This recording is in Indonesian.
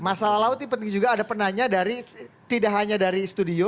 masalah laut ini penting juga ada penanya dari tidak hanya dari studio